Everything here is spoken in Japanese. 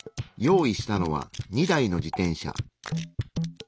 用意したのは２台の自転車。